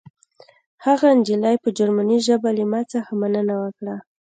هغې نجلۍ په جرمني ژبه له ما څخه مننه وکړه